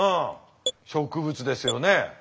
植物ですよね。